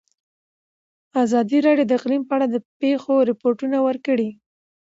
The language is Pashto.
ازادي راډیو د اقلیم په اړه د پېښو رپوټونه ورکړي.